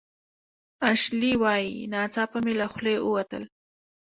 اشلي وايي "ناڅاپه مې له خولې ووتل